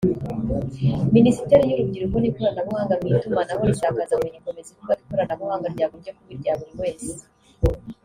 Ministeri y’urubyiruko n’ikoranabuhanga mu Itumanaho n’isakazabumenyi ikomeza ivuga ko ikoranabuhanga ryagombye kuba irya buri wese